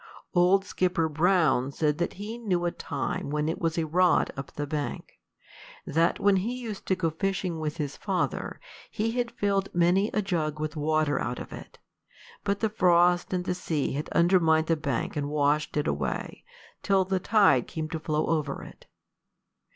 Old Skipper Brown said he knew the time when it was a rod up the bank; that when he used to go fishing with his father, he had filled many a jug with water out of it; but the frost and the sea had undermined the bank and washed it away, till the tide came to flow over it.